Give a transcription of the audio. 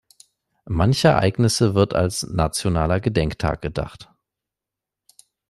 Mancher Ereignisse wird als nationaler Gedenktag gedacht.